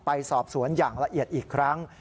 ไปสอบสวนอย่างละเอียดอีกครั้ง